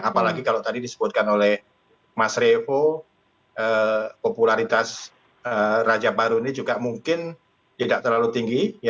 apalagi kalau tadi disebutkan oleh mas revo popularitas raja baru ini juga mungkin tidak terlalu tinggi